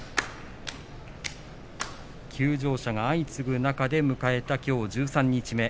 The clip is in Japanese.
休場者が相次ぐ中で迎えたきょう十三日目。